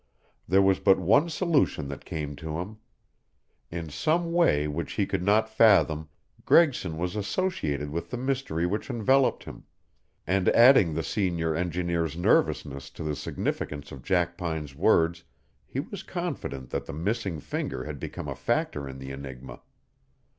There was but one solution that came to him. In some way which he could not fathom Gregson was associated with the mystery which enveloped him, and adding the senior engineer's nervousness to the significance of Jackpine's words he was confident that the missing finger had become a factor in the enigma.